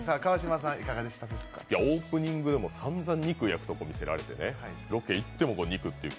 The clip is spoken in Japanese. オープニングでもさんざん肉を焼くところを見せられてね、ロケ行ってもお肉っていう。